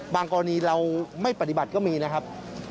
กรณีเราไม่ปฏิบัติก็มีนะครับ